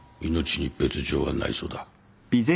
命に別条はないそうだ。